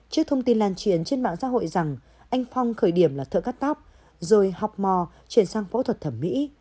trước thông tin lan truyền trên mạng xã hội rằng anh phong khởi điểm là thợ cắt tóc rồi học mò chuyển sang phẫu thuật thẩm mỹ